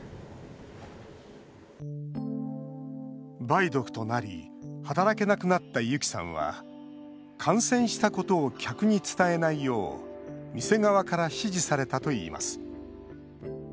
梅毒となり働けなくなったユキさんは感染したことを客に伝えないよう店側から指示されたといいます。